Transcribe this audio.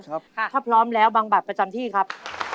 ถ้าพร้อมแล้วบางบัตรประจำที่ครับ